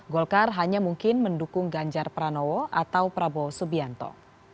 golkar hanya mungkin mendukung ganjar pranowo atau prabowo subianto